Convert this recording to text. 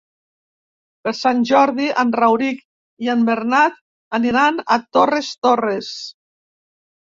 Per Sant Jordi en Rauric i en Bernat aniran a Torres Torres.